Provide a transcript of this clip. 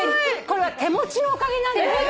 これは手持ちのおかげなんですよ。